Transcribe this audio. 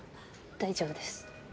大丈夫です。